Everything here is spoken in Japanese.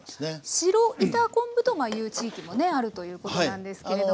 白板昆布という地域もあるということなんですけれども。